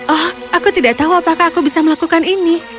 oh aku tidak tahu apakah aku bisa melakukan ini